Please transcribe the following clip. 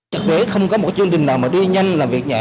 chắc chắn không có một chương trình nào mà đi nhanh làm việc nhẹ